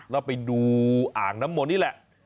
แล้วไปดูอ่างน้ำมนต์นี่แหละ